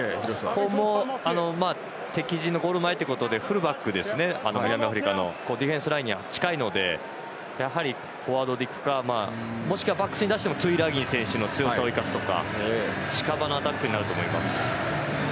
ここも敵陣のゴール前ということで南アフリカのフルバックがディフェンスラインに近いのでフォワードで行くかもしくはバックスに出してトゥイランギ選手を生かすとか近場のアタックになると思います。